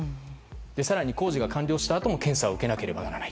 更に工事が完了したあとも検査を受けなくてはならない。